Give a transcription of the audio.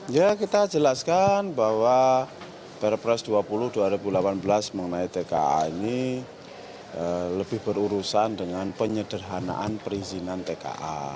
ya kita jelaskan bahwa perpres dua puluh dua ribu delapan belas mengenai tka ini lebih berurusan dengan penyederhanaan perizinan tka